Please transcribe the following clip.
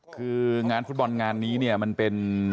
คืองานฟุตบอลงานนี้เนี่ยมันเป็น